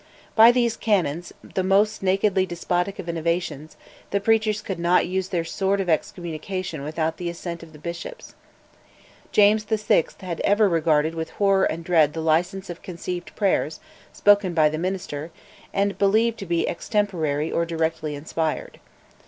By these canons, the most nakedly despotic of innovations, the preachers could not use their sword of excommunication without the assent of the Bishops. James VI. had ever regarded with horror and dread the licence of "conceived prayers," spoken by the minister, and believed to be extemporary or directly inspired.